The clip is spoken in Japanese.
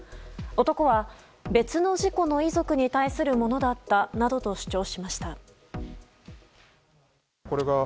男は別の事故の遺族に対するものだったなどと主張しました。